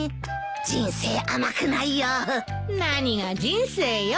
人生甘くないよ。何が人生よ。